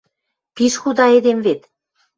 Пиш худа эдем вет.